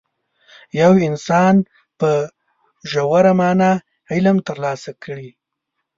یو انسان په ژوره معنا علم ترلاسه کړي.